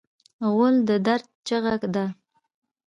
غول د درد چیغه ده.